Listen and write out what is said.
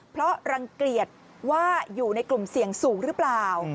เพราะรังเกียจว่าอยู่ในกลุ่มเสี่ยงสูงหรือเปล่า